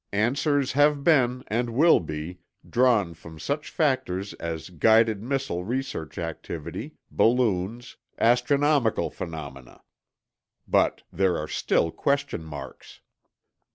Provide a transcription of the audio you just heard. _ _"Answers have been—and will be—drawn from such factors as guided missile research activity, balloons, astronomical phenomena. ... But there are still question marks.